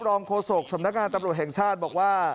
โฆษกสำนักงานตำรวจแห่งชาติบอกว่า